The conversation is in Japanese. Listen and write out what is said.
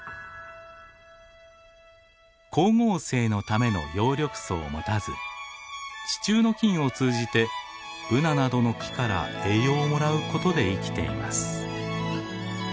光合成のための葉緑素を持たず地中の菌を通じてブナなどの木から栄養をもらうことで生きています。